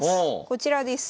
こちらです。